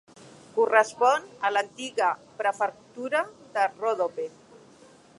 Correspon a l'antiga prefectura de Ròdope.